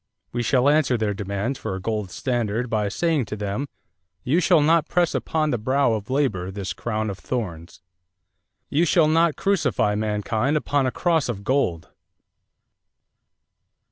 We shall answer their demands for a gold standard by saying to them, 'You shall not press upon the brow of labor this crown of thorns. You shall not crucify mankind upon a cross of gold.'"